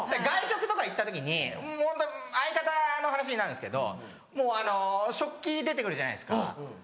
外食とか行った時にもうホント相方の話になるんですけどもうあの食器出て来るじゃないですか。